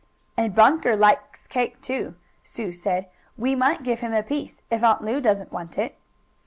"And Bunker likes cake, too," Sue said. "We might give him a piece, if Aunt Lu doesn't want it."